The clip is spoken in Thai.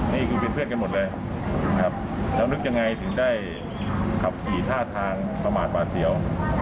นี่เป็นเพื่อนกันหมดเลยครับสำรึกจากกายถึงได้ขับขี่ท่าทางประหมาตรปาเสียว